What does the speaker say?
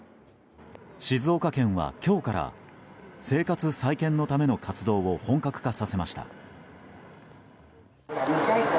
静岡県は今日から生活再建のための活動を本格化させました。